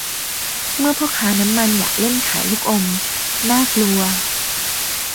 เมื่อพ่อค้าน้ำมันอยากเล่นขายลูกอม น่ากลัว